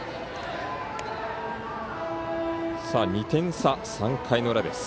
２点差、３回の裏です。